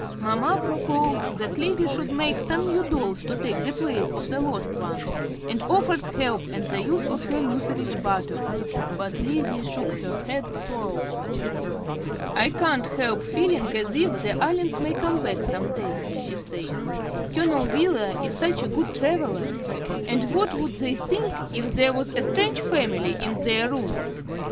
Mamma proposed that Lizzie should make some new dolls to take the place of the lost ones, and offered help and the use of her mucilage bottle; but Lizzie shook her head sorrowfully. "I can't help feeling as if the Allens may come back some day," she said. "Colonel Wheeler is such a good traveller; and what would they think if there was a strange family in their rooms?